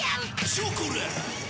チョコラ！